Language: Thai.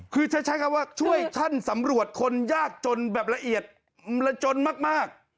คือใช้คำว่าช่วยท่านสำรวจคนยากจนแบบละเอียดระจนมาก